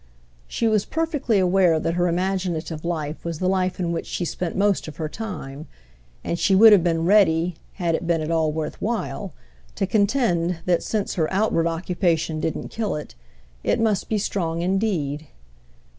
She was perfectly aware that her imaginative life was the life in which she spent most of her time; and she would have been ready, had it been at all worth while, to contend that, since her outward occupation didn't kill it, it must be strong indeed.